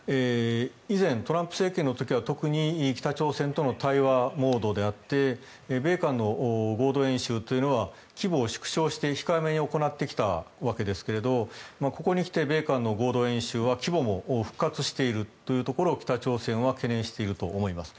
以前、トランプ政権の時は特に北朝鮮との対話モードであって米韓の合同演習というのは規模を縮小して控えめに行ってきたわけですがここに来て、米韓の合同演習は規模も復活しているというところを北朝鮮は懸念していると思います。